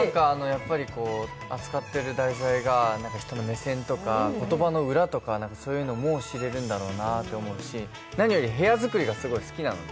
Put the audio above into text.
扱ってる題材が人の目線とか言葉の裏とかも知れるんだろうなって思いますし何より部屋作りが好きなんで。